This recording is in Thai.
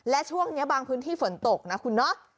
และช่วงนี้บางพื้นที่ฝนตกนะคุณเนาะ